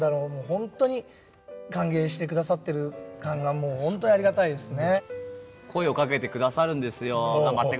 ホントに歓迎してくださってる感がもうホントありがたいですね。